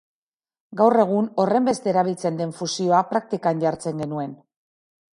Gaur egun horrenbeste erabiltzen den fusioa praktikan jartzen genuen.